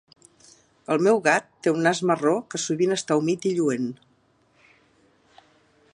El meu gat té un nas marró que sovint està humit i lluent.